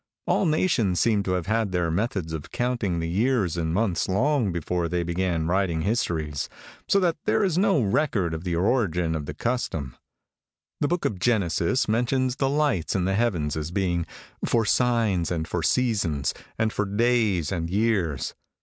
"All nations seem to have had their methods of counting the years and months long before they began writing histories, so that there is no record of the origin of the custom. The Book of Genesis mentions the lights in the heavens as being 'for signs and for seasons, and for days and years.'